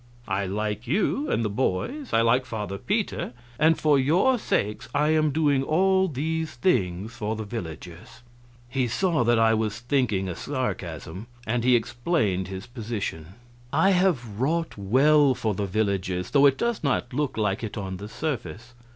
I like you and the boys, I like father Peter, and for your sakes I am doing all these things for the villagers." He saw that I was thinking a sarcasm, and he explained his position. "I have wrought well for the villagers, though it does not look like it on the surface.